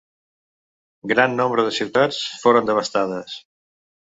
Gran nombre de ciutats foren devastades.